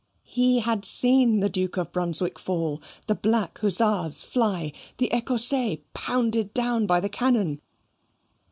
He had seen the Duke of Brunswick fall, the black hussars fly, the Ecossais pounded down by the cannon.